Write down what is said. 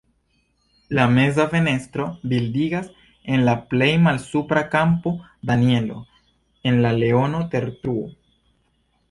La meza fenestro bildigas en la plej malsupra kampo Danielo en la leono-tertruo.